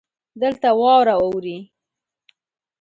دلته واوره اوري.